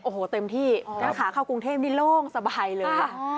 โอ้โหเต็มที่แล้วขาเข้ากรุงเทพนี่โล่งสบายเลยค่ะ